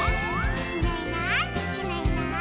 「いないいないいないいない」